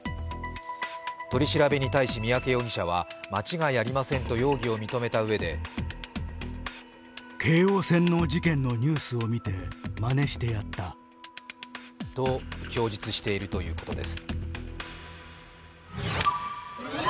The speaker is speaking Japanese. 取り調べに対し三宅容疑者は間違いありませんと容疑を認めたうえでと供述しているということです。